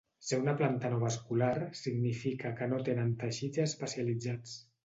Ser una planta no vascular significa que no tenen teixits especialitzats.